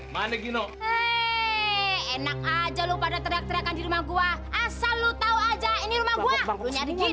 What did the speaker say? mana gino enak aja lu pada teriakan di rumah gua asal lu tahu aja ini rumah gua